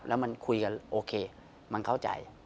แล้วมันคุยกันโอเคมันเข้าใจ